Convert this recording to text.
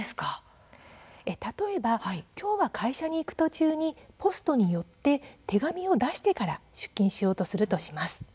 例えば今日は会社に行く途中にポストに寄って手紙を出してから出勤しようとするとします。